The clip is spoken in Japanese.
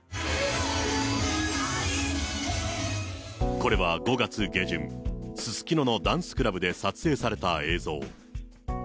これは５月下旬、すすきののダンスクラブで撮影された映像。